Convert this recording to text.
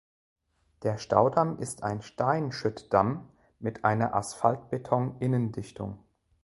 Der Staudamm ist ein Steinschüttdamm mit einer Asphaltbeton-Innendichtung.